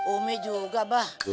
umi juga mbah